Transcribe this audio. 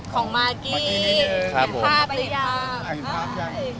ของมากิภาพไปยัง